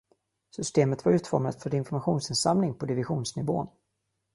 Systemet var utformat för informationsinsamling på divisionsnivå.